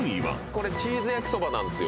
これチーズ焼きそばなんです。